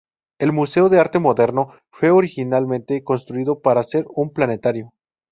El Museo de Arte Moderno fue originalmente construido para ser un planetario.